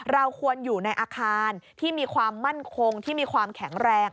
เราควรอยู่ในอาคารที่มีความมั่นคงที่มีความแข็งแรง